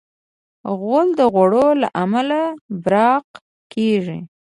غول د غوړ له امله براق کېږي.